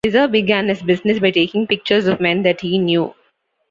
Mizer began his business by taking pictures of men that he knew.